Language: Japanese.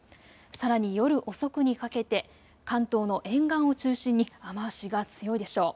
さらに夜遅くにかけて関東の沿岸を中心に雨足が強いでしょう。